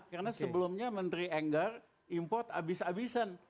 karena sebelumnya menteri enggar import abis abisan